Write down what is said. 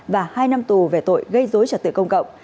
và hai năm tù về tội gây dối trật tự công cộng